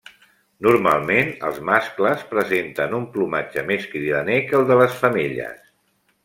Normalment, els mascles presenten un plomatge més cridaner que el de les femelles.